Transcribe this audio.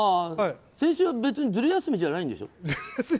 先週は別にずる休みじゃないんでしょ？